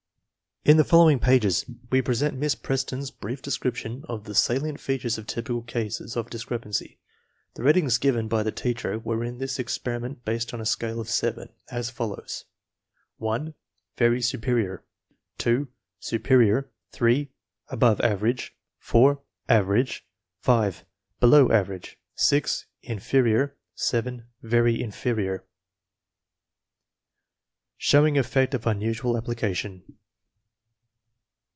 In the following pages we present Miss Preston's brief description of the salient features of typical cases of discrepancy. The ratings given by the teacher were in this experiment based on a scale of seven, 1 as follows: 1. "Very superior"; 2. "Superior"; 3. "Above average"; 4. "Average"; 5. "Below average"; 6. "Inferior"; 7. "Very inferior." Showing effect of unusual application.